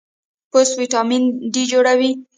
پوست وټامین ډي جوړوي.